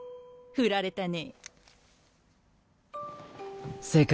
振られたね。